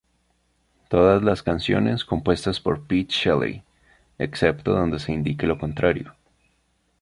Todas las canciones compuestas por Pete Shelley, excepto donde se indique lo contrario.